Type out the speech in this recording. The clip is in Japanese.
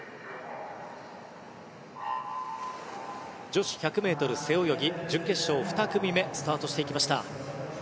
女子１００ｍ背泳ぎ準決勝２組目スタートしていきました。